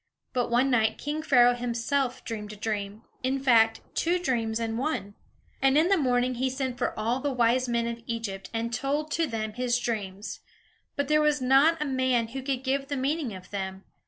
But one night, king Pharaoh himself dreamed a dream in fact, two dreams in one. And in the morning he sent for all the wise men of Egypt, and told to them his dreams; but there was not a man who could give the meaning of them.